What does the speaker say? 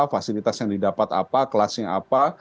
fasilitas yang didapat apa kelasnya apa